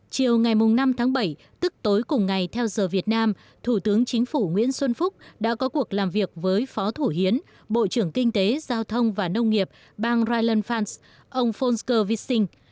chiều ngày năm tháng bảy tức tối cùng ngày theo giờ việt nam thủ tướng chính phủ nguyễn xuân phúc đã có cuộc làm việc với phó thủ hiến bộ trưởng kinh tế giao thông và nông nghiệp bang rilen frans ông fhnsker vising